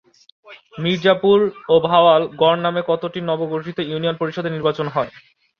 মির্জাপুর ও ভাওয়াল গড় নামে কতটি নবগঠিত ইউনিয়ন পরিষদের নির্বাচন হয়?